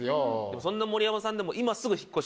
でもそんな盛山さんでも。